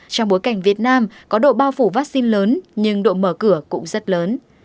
trong bối cảnh việt nam có độ bao phủ vaccine lớn nhưng độ mở cửa cũng rất lớn